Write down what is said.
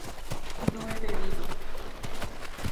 no he bebido